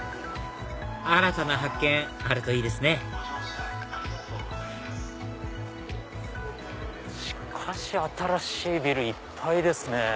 新たな発見あるといいですねしかし新しいビルいっぱいですね。